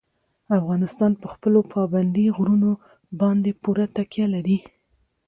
افغانستان په خپلو پابندي غرونو باندې پوره تکیه لري.